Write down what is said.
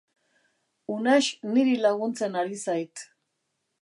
Unax niri laguntzen ari zait.